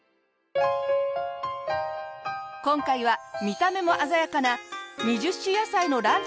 今回は見た目も鮮やかな２０種野菜のランチ